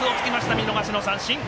見逃しの三振。